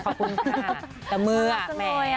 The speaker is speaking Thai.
ขอบคุณค่ะตะเมื่อแม่